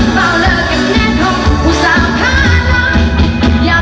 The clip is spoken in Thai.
อย่าเป็นผู้สาวว่า